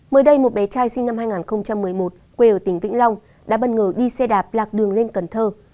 mới đây một bé trai sinh năm hai nghìn một mươi một quê ở tỉnh vĩnh long đã bất ngờ đi xe đạp lạc đường lên cần thơ